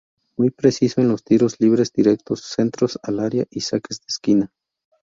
Muy preciso en los tiros libres directos, centros al area y saques de esquina.